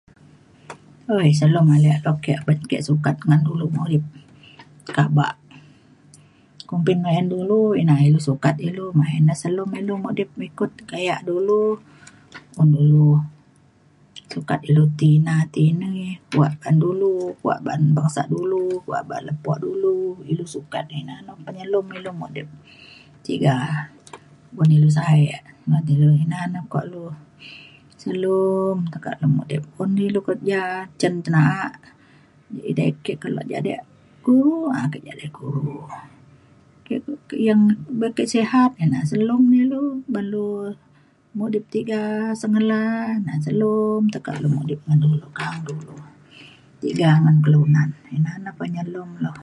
Selum ale [unintelligible] ke sukat ngan dulu mudip kaba. Kumbin layan dulu ina ilu sukat ilu main na selum ilu mudip mikut gayak dulu. Buk dulu sukat ilu ti ina ti ini kuak ban dulu kuak ba’an bangsa dulu kuak ban lepo dulu ilu sukat ina na penyelum ilu mudip tiga buk ilu sa’e ngan ilu dina na ukok lu selum tekak le mudip. Un ilu kerja cen na’a edei ke kelo jadek guru um ke jadek guru. [unintelligible] buk ke sehat ina selum ilu ban lu mudip tiga sengela na selum tekak lu mudip ngan dulu ka dulu tiga ngan kelunan. Ina na penyelum lu.